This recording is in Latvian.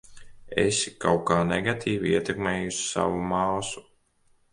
Esi kaut kā negatīvi ietekmējusi savu māsu.